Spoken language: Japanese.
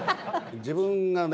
自分がね